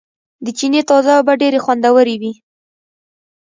د چينې تازه اوبه ډېرې خوندورېوي